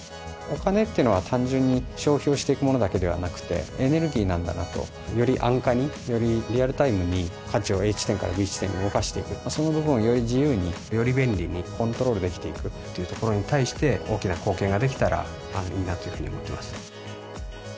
お金っていうのは単純に消費をしていくものだけではなくてエネルギーなんだなとより安価によりリアルタイムに価値をＡ地点からＢ地点に動かしていくその部分をより自由により便利にコントロールできていくっていうところに対して大きな貢献ができたらいいなというふうに思ってます